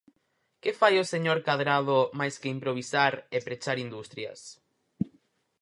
¿Que fai o señor Cadrado máis que improvisar e pechar industrias?